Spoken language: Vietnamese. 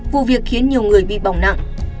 vụ việc khiến nhiều người bị bỏng nặng